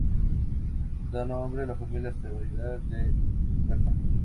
Da nombre a la familia asteroidal de Herta.